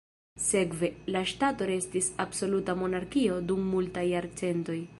Sekve, la ŝtato restis absoluta monarkio dum multaj jarcentoj.